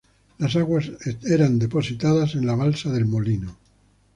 Las aguas eran depositadas en la Balsa del Molino.